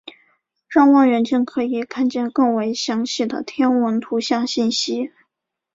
让望远镜可以看见更为详细的天文图像信息。